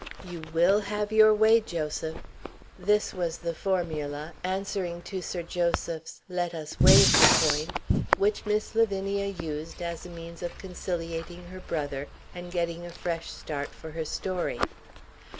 "You will have your way, Joseph "(this was the formula answering to Sir Joseph's 'Let us waive the point' which Miss Lavinia used, as a means of conciliating her brother, and getting a fresh start for her story).